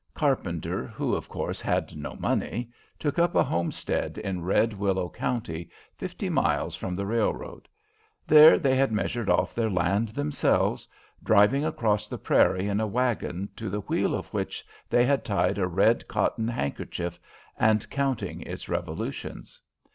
Carpenter, who, of course, had no money, took up a homestead in Red Willow County, fifty miles from the railroad. There they had measured off their land themselves, driving across the prairie in a wagon, to the wheel of which they had tied a red cotton handkerchief, and counting its revolutions.